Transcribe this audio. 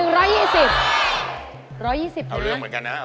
เอาเรื่องเหมือนกันนะครับ